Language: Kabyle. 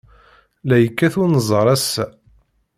La yekkat unẓar, ass-a.